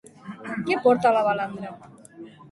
Què porta la balandra?